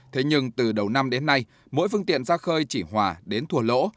thế nhưng từ đầu năm đến nay mỗi phương tiện ra khơi chỉ hòa đến thùa lỗ